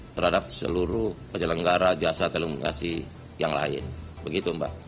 terhadap seluruh penyelenggara jasa telekomunikasi yang lain begitu mbak